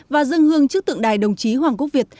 và dân hương trước tượng đài đồng chí hoàng quốc việt